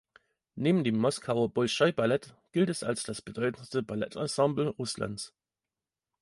Neben dem Moskauer Bolschoi-Ballett gilt es als das bedeutendste Ballettensemble Russlands.